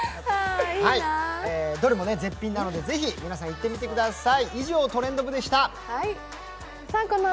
どれも絶品なので、ぜひ皆さん行ってみてください。